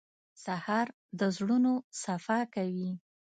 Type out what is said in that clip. سهار د زړونو صفا کوي.